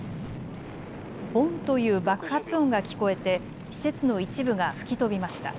ボンという爆発音が聞こえて施設の一部が吹き飛びました。